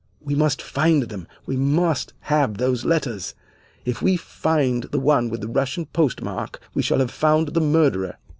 We must find them. We must have those letters. If we find the one with the Russian postmark, we shall have found the murderer.